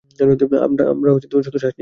আমরা শুধু শ্বাস নিই?